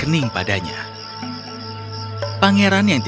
untuk mendapat per rawant